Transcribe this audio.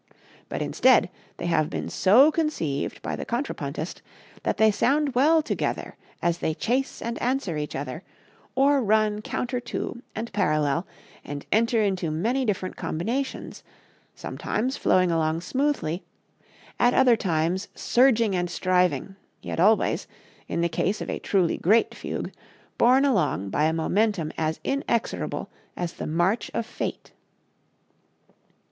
But, instead, they have been so conceived by the contrapuntist that they sound well together as they chase and answer each other, or run counter to and parallel and enter into many different combinations, sometimes flowing along smoothly, at other times surging and striving, yet always, in the case of a truly great fugue, borne along by a momentum as inexorable as the march of Fate.